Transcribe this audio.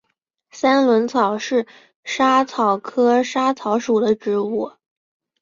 三轮草是莎草科莎草属的植物。